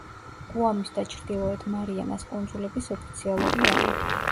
გუამის და ჩრდილოეთ მარიანას კუნძულების ოფიციალური ენა.